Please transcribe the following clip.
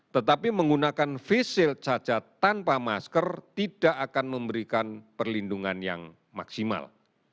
tetapi menggunakan face shield cacat tanpa masker tidak akan memberikan perlindungan yang maksimal